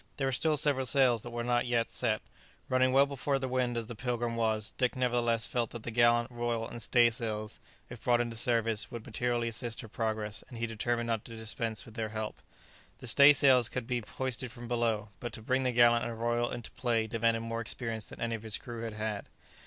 There were still several sails that were not yet set. Running well before the wind as the "Pilgrim" was, Dick nevertheless felt that the gallant, royal, and stay sails, if brought into service, would materially assist her progress, and he determined not to dispense with their help. The stay sails could be hoisted from below, but to bring the gallant and royal into play demanded more experience than any of his crew had had.